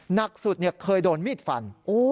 หนักสุดเนี่ยเคยโดนมีดฟัน